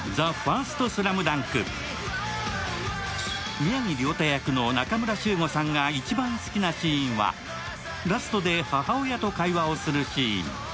宮城リョータ役の仲村宗悟さんが一番好きなシーンはラストで母親と会話をするシーン。